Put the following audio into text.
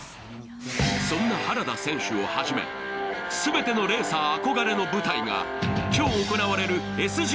そんな原田選手をはじめすべてのレーサー憧れの舞台が今日行われるＳＧ